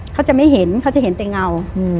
เขาจะไม่เห็นเขาจะเห็นแต่เงา